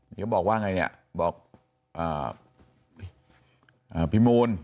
เขาบอกว่าไงเนี่ยบอกพี่มูล